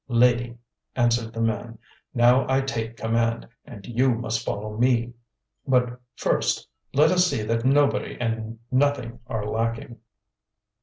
"Lady," answered the man, "now I take command, and you must follow me. But first let us see that nobody and nothing are lacking."